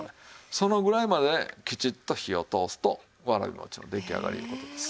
そのぐらいまできちっと火を通すとわらび餅の出来上がりいう事です。